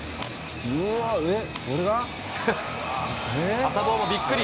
サタボーもびっくり。